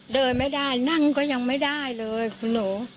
เดินไม่ได้นั่งก็ยังไม่ได้เลยคุณหนู